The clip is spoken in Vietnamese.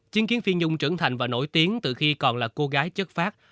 chứng kiến phi nhung trưởng thành và nổi tiếng từ khi còn là cô gái chất phát